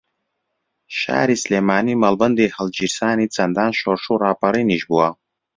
شاری سلێمانی مەڵبەندی ھەڵگیرسانی چەندان شۆڕش و ڕاپەڕینیش بووە